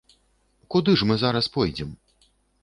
Куды ж мы зараз пойдзем?